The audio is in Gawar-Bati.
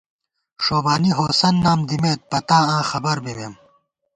ݭوبانی ہوسند نام دِمېت، پتا آں خبر بِمېم